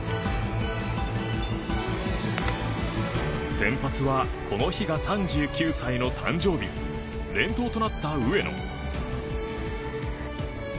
先発はこの日が３９歳の誕生日連投となった上野。